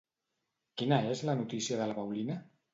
Quina és la notícia de la Paulina?